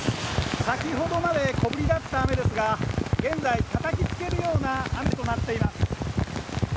先ほどまで小ぶりだった雨ですが現在、たたきつけるような雨となっています。